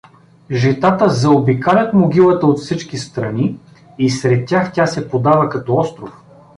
Житата заобикалят могилата от всички страни и сред тях тя се подава като остров.